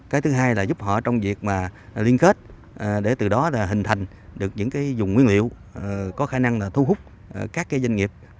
cái thứ hai là giúp họ trong việc liên kết để từ đó là hình thành được những dùng nguyên liệu có khả năng thu hút các doanh nghiệp